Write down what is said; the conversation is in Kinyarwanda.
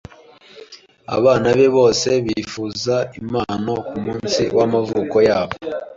Abana be bose bifuza impano kumunsi wamavuko yabo.